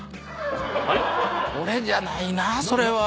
俺じゃないなそれは。